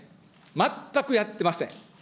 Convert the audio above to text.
全くやってません。